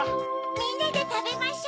みんなでたべましょ。